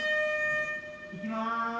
いきます。